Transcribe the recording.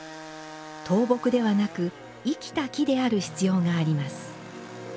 倒木ではなく、生きた木である必要があります。